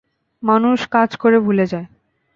মানুষ কাজ করে ভুলে যায়।